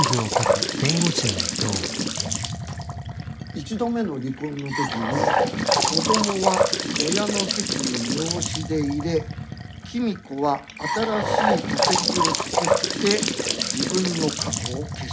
一度目の離婚の時に子どもは親の籍に養子で入れ公子は新しい戸籍を作って自分の過去を消した。